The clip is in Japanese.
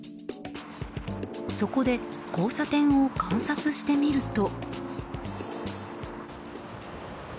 そこで交差点を観察してみると。